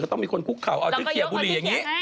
ต้องมีคนคุกเขาเอาที่เขียบุหรี่อย่างนี้